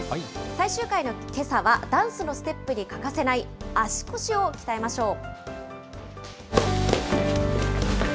最終回のけさはダンスのステップに欠かせない、足腰を鍛えましょう。